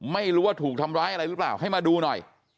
ไม่รู้ว่าถูกทำร้ายอะไรหรือเปล่าให้มาดูหน่อย